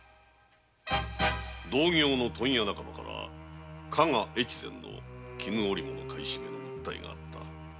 同業の問屋仲間から加賀越前の絹織物買い占めの訴えがあった。